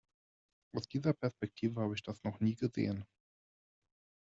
Aus dieser Perspektive habe ich das noch nie gesehen.